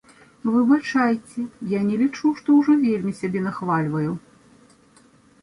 Выбачайце, я не лічу, што вельмі ўжо сябе нахвальваю.